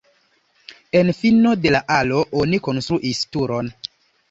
En fino de la alo oni konstruis turon.